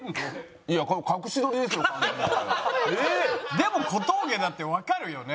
でも小峠だってわかるよね。